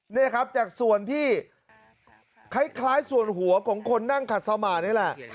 นี่ครับจากส่วนที่คล้ายส่วนหัวของคนนั่งขัดสมานนี่แหละ